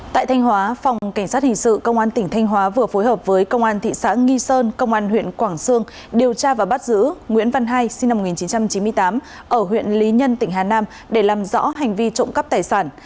tại thanh hóa phòng cảnh sát hình sự công an tỉnh thanh hóa vừa phối hợp với công an thị xã nghi sơn công an huyện quảng sương điều tra và bắt giữ nguyễn văn hai sinh năm một nghìn chín trăm chín mươi tám ở huyện lý nhân tỉnh hà nam để làm rõ hành vi trộm cắp tài sản